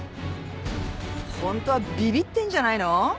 ホントはビビってんじゃないの？